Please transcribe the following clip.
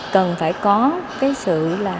cần phải có sự